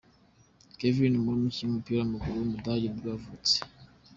Kevin Müller, umukinnyi w’umupira w’amaguru w’umudage nibwo yavutse.